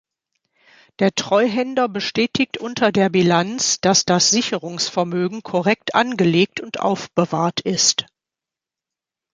Der Treuhänder bestätigt unter der Bilanz, dass das Sicherungsvermögen korrekt angelegt und aufbewahrt ist.